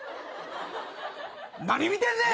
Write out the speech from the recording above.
何見てんねん！